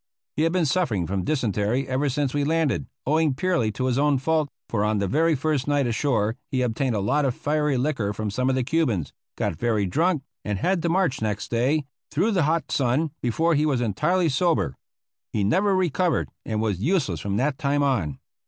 He had been suffering from dysentery ever since we landed, owing purely to his own fault, for on the very first night ashore he obtained a lot of fiery liquor from some of the Cubans, got very drunk, and had to march next day through the hot sun before he was entirely sober. He never recovered, and was useless from that time on.